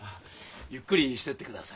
ゆっくりしてってください。